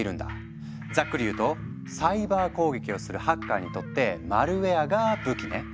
ざっくり言うとサイバー攻撃をするハッカーにとってマルウェアが武器ね。